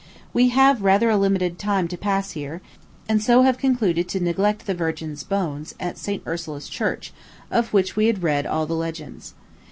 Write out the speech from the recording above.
We have rather a limited time to pass here, and so have concluded to neglect the Virgin's bones, at St. Ursula's Church, of which we have read all the legends.